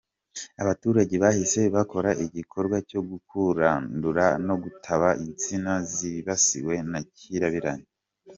Abaturage bahise bakora igikorwa cyo kurandura no gutaba insina zibasiwe na kirabiranya.